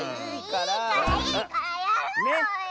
いいからいいからやろうよ。